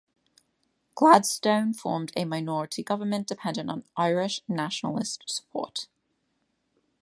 Gladstone formed a minority government dependent on Irish Nationalist support.